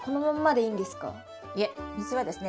いえ水はですね